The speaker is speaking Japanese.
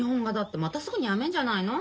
またすぐにやめんじゃないの？